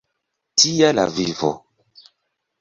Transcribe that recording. Tia la vivo!